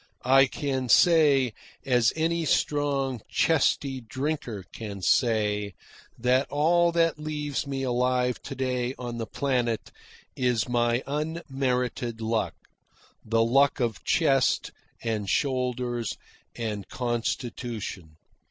I can say, as any strong, chesty drinker can say, that all that leaves me alive to day on the planet is my unmerited luck the luck of chest, and shoulders, and constitution.